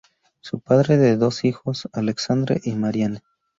Fue padre de dos hijos, Alexandre y Marianne.